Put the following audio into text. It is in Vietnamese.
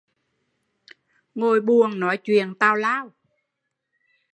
Ngồi buồn nói chuyện tào lao